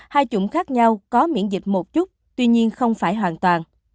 hai chủng khác nhau có miễn dịch một chút tuy nhiên không phải hoàn toàn